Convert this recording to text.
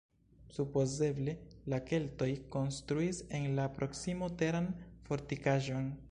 Supozeble la keltoj konstruis en la proksimo teran fortikaĵon.